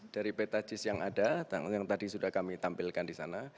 dari peta cis yang ada yang tadi sudah kami tampilkan di sana